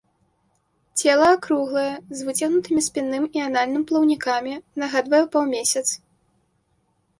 Цела акруглае, з выцягнутымі спінным і анальным плаўнікамі, нагадвае паўмесяц.